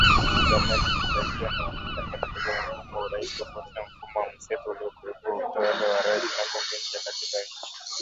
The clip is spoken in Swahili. Kama inavyotarajiwa na wengi , inapendekeza mfumo wa urais tofauti na mfumo wa mseto uliokuwepo wa utawala wa rais na bunge chini ya katiba ya nchi.